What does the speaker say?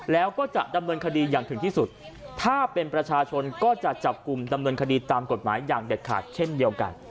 แล้วก็จะดำเนินคดีอย่างถึงที่สุดถ้าเป็นประชาชนก็จะจับกลุ่มดำเนินคดีตามกฎหมายอย่างเด็ดขาดเช่นเดียวกัน